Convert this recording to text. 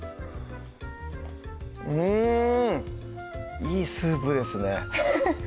うんいいスープですね